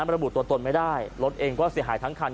ระบุตัวตนไม่ได้รถเองก็เสียหายทั้งคัน